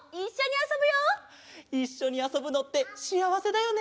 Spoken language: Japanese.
いっしょにあそぶのってしあわせだよね！